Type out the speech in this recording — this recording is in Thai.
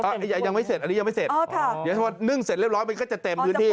อันนี้ยังไม่เสร็จนึ่งเสร็จเรียบร้อยมันก็จะเต็มพื้นที่